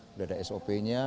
sudah ada sop nya